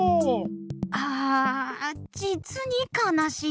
ああじつにかなしい。